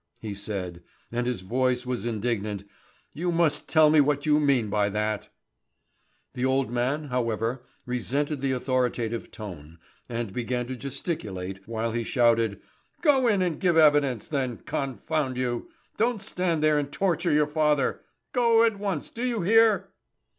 he said, and his voice was indignant; "you must tell me what you mean by that." The old man, however, resented the authoritative tone, and began to gesticulate, while he shouted: "Go in and give evidence then, confound you! Don't stand there and torture your father! Go at once, do you hear?"